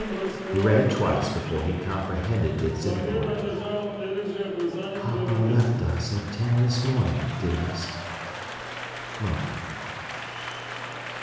He read it twice before he comprehended its import. Papa left us at ten this morning, dearest. Mother.